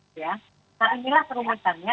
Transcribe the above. nah inilah kerumutannya